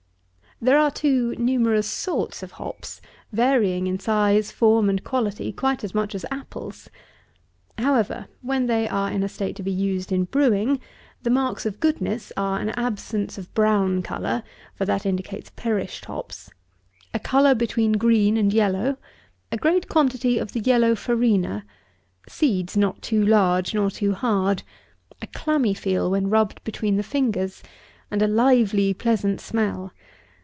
There are, too, numerous sorts of hops, varying in size, form, and quality, quite as much as apples. However, when they are in a state to be used in brewing, the marks of goodness are an absence of brown colour, (for that indicates perished hops;) a colour between green and yellow; a great quantity of the yellow farina; seeds not too large nor too hard; a clammy feel when rubbed between the fingers; and a lively, pleasant smell.